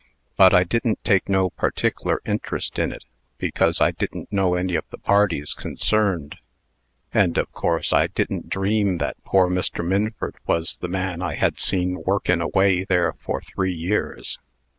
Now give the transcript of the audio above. But I didn't take no partickler interest in it, because I didn't know any of the parties concerned. And, of course, I didn't dream that poor Mr. Minford was the man I had seen workin' away there for three years.